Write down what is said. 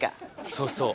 そうそう。